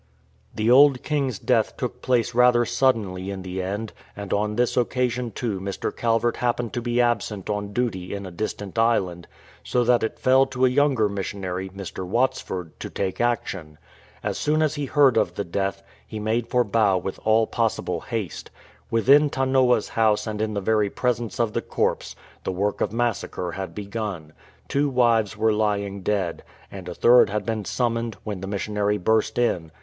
The old king's death took place rather suddenly in the end, and on this occasion too Mr. Calvert happened to be absent on duty in a distant island, so that it fell to a younger missionary, Mr. Watsford, to take action. As soon as he heard of the death, he made for Bau with all possible haste. Within Tanoa's house and in the very presence of the corpse the work of massacre had begun. Two wives were lying dead, and a third had been sum moned, when the missionary burst in.